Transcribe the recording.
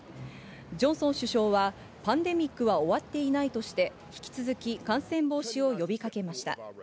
ジョンソン首相はパンデミックは終わっていないとして引き続き感染防止を呼びかけました。